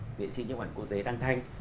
nghệ sĩ nhóm ảnh quốc tế đăng thanh